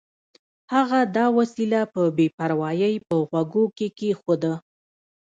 هغه دا وسیله په بې پروایۍ په غوږو کې کېښوده